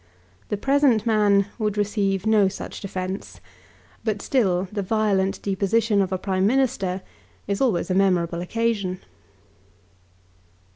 The present man would receive no such defence; but still the violent deposition of a Prime Minister is always a memorable occasion.